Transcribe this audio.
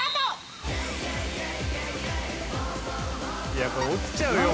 いやこれ落ちちゃうよ